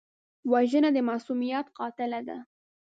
وژنه د معصومیت قاتله ده